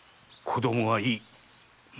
子供はいい。